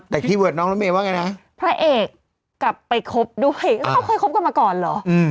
แต่คีย์เวิร์ดน้องรถเมย์ว่าไงนะพระเอกกลับไปคบด้วยแล้วเขาเคยคบกันมาก่อนเหรอ